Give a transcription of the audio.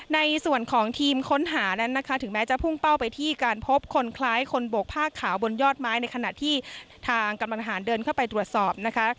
ในส่วนของทีมค้นหานั้นนะคะถึงแม้จะพุ่งเป้าไปที่การพบคนคล้ายคนโบกผ้าขาวบนยอดไม้ในขณะที่ทางกำลังหารเดินเข้าไปตรวจสอบนะคะ